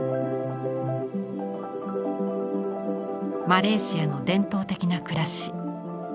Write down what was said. マレーシアの伝統的な暮らし。